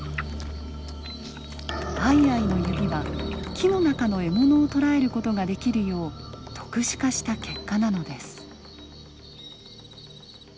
アイアイの指は木の中の獲物を捕らえる事ができるよう特殊化した結果なのです。